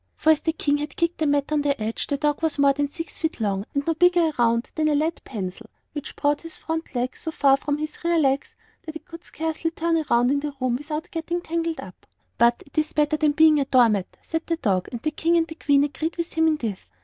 For, as the King had kicked the mat on the edge, the dog was more than six feet long, and no bigger around than a lead pencil; which brought its font legs so far from its rear legs that it could scarcely turn around in the room without getting tangled up. "But it is better than being a door mat," said the dog; and the King and Queen agreed with him in this.